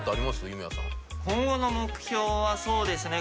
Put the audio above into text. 今後の目標はそうですね